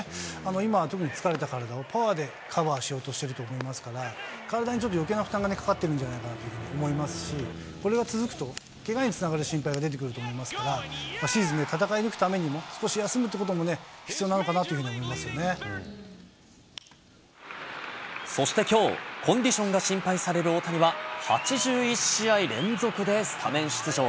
今は特に疲れた体をパワーでカバーしようとしていると思いますから、体にちょっとよけいな負担がね、かかってるんじゃないかなというふうに思いますし、これが続くとけがにつながる心配が出てくると思いますから、シーズン戦い抜くためにも少し休むということも、必要なのかなとそしてきょう、コンディションが心配される大谷は、８１試合連続でスタメン出場。